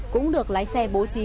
cũng được lái xe bố trí